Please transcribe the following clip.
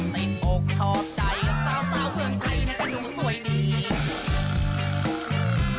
ติดอกชอบใจจะสาวเมืองไทยนักดูสวยดี